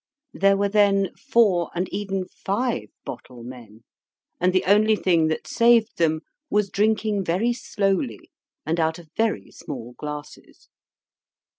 There were then four , and even five bottle men; and the only thing that saved them was drinking very slowly, and out of very small glasses.